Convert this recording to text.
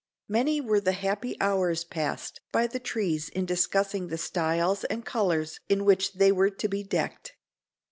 Many were the happy hours passed by the trees in discussing the styles and colors in which they were to be decked.